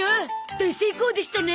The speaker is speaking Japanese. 大成功でしたね。